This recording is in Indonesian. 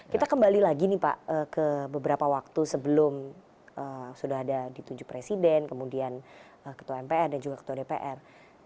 kita kembali lagi nih pak ke beberapa waktu sebelum sudah ada ditunjuk presiden kemudian ketua mpr dan juga ketua dpr